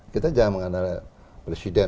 kita jangan mengandalkan presiden